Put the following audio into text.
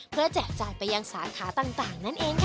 เพื่อแจกจ่ายไปยังสาขาต่างนั่นเองค่ะ